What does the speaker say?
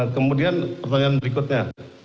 kemudian pertanyaan berikutnya